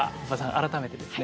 改めてですね